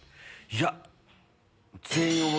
いや。